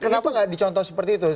kenapa nggak dicontoh seperti itu